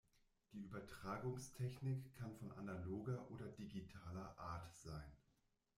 Die Übertragungstechnik kann von analoger oder digitaler Art sein.